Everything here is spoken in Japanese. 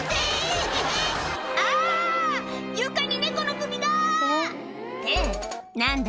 床に猫の首が！って何だ